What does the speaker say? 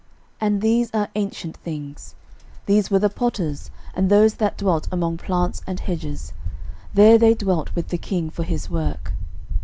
And these are ancient things. 13:004:023 These were the potters, and those that dwelt among plants and hedges: there they dwelt with the king for his work.